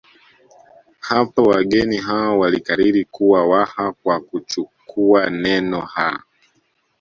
Hapo wageni hao walikariri kuwa Waha kwa kuchukua neno ha